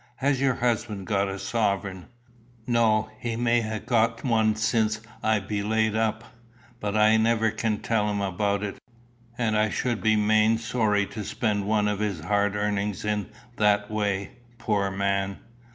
Has your husband got a sovereign?" "No. He may ha' got one since I be laid up. But I never can tell him about it; and I should be main sorry to spend one of his hard earning in that way, poor man."